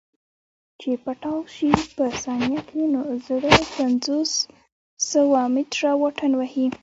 چې پټاو سي په ثانيه کښې نو زره پنځه سوه مټره واټن وهي.